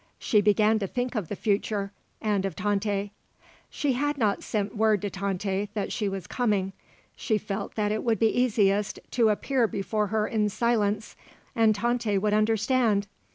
She began to think of the future, and of Tante. She had not sent word to Tante that she was coming. She felt that it would be easiest to appear before her in silence and Tante would understand.